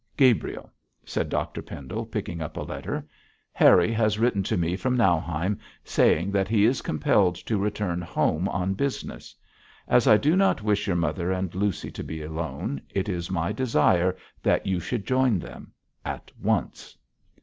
'Gabriel,' said Dr Pendle, picking up a letter, 'Harry has written to me from Nauheim, saying that he is compelled to return home on business. As I do not wish your mother and Lucy to be alone, it is my desire that you should join them at once!'